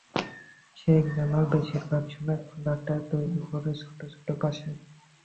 শেখ জামাল বেশির ভাগ সময় খেলাটা তৈরি করে ছোট ছোট পাসে।